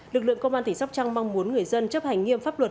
lực lượng công an tỉnh sóc trăng mong muốn người dân chấp hành nghiêm pháp luật